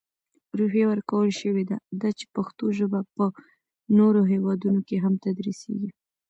روحیه ورکول شوې ده، دا چې پښتو ژپه په نورو هیوادونو کې هم تدرېسېږي.